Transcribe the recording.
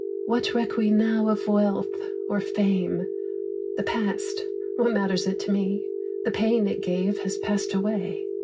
What reck we now of wealth or fame? The past what matters it to me? The pain it gave has passed away.